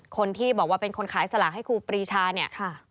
คนที่บอกว่าเป็นคนขายสลากให้ครูปรีชาเนี่ย